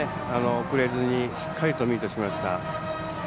ぶれずにしっかりとミートしました。